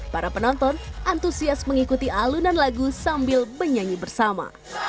para penonton antusias mengikuti alunan lagu sambil bernyanyi bersama